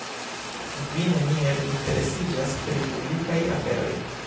Vi neniel interesiĝas pri publikaj aferoj.